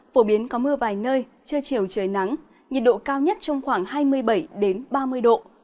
phổ biến có mưa vài nơi trưa chiều trời nắng nhiệt độ cao nhất trong khoảng hai mươi bảy ba mươi độ